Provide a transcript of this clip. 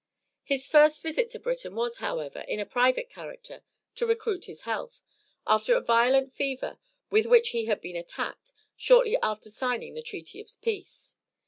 His first visit to England was, however, in a private character, to recruit his health, after a violent fever with which he had been attacked, shortly after signing the treaty of peace.